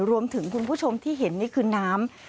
คุณผู้ชมที่เห็นนี่คือน้ำ